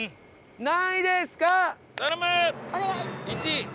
１位！